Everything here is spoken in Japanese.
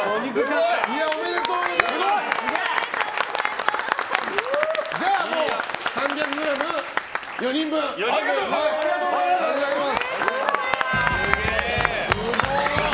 おめでとうございます！